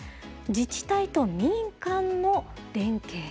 自治体と民間の連携。